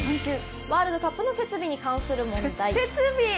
ワールドカップの設備に関する問題。